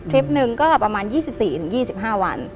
ทริปนึงก็ประมาณ๒๔๒๕วัน